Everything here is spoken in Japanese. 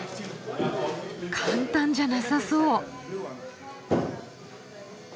簡単じゃなさそう。